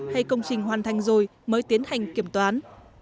hay công trình hoàn thành rồi mới tiến hành kiểm toán